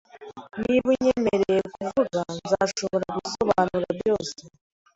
Niba unyemereye kuvuga, nzashobora gusobanura byose.